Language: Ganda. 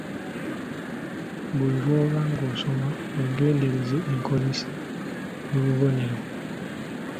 Buli lwoba ng’osoma, weegendereze enkozesa y’obubonero.